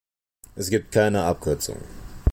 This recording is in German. Es gibt keine Abkürzungen.